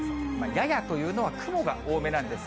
ややというのは、雲が多めなんです。